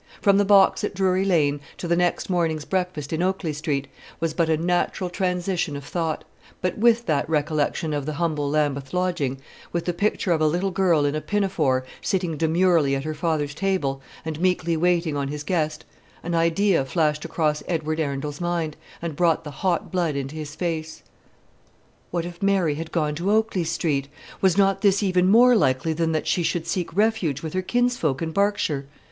From the box at Drury Lane to the next morning's breakfast in Oakley Street, was but a natural transition of thought; but with that recollection of the humble Lambeth lodging, with the picture of a little girl in a pinafore sitting demurely at her father's table, and meekly waiting on his guest, an idea flashed across Edward Arundel's mind, and brought the hot blood into his face. What if Mary had gone to Oakley Street? Was not this even more likely than that she should seek refuge with her kinsfolk in Berkshire?